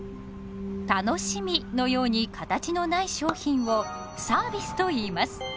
「楽しみ」のように形のない商品をサービスといいます。